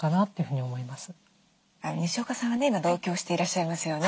にしおかさんは今同居してらっしゃいますよね？